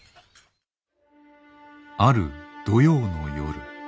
ある土曜の夜。